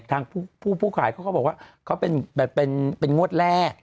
ทางผู้ขายเขาก็บอกว่าเขาเป็นงวดแร่